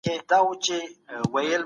که واټني صنف همکار وي، ستونزه نه اوږدېږي.